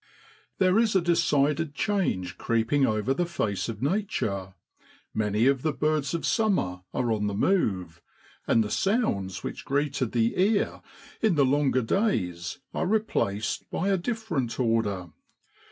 There is a decided change creeping over the face of nature, many of the birds of summer are on the move, and the sounds which greeted the ear in the longer days are replaced by a different order.